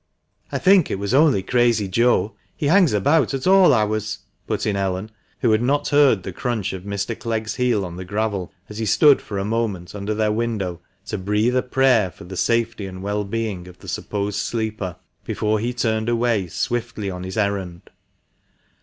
"I think it was only Crazy Joe — he hangs about at all hours," put in Ellen, who had not heard the crunch of Mr. Clegg's heel on the gravel, as he stood for a moment under their window, to breathe a prayer for the safety and well being of the supposed sleeper, before he turned away swiftly on his errand.